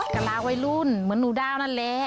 กระลาวัยรุ่นเหมือนหนูดาวนั่นแหละ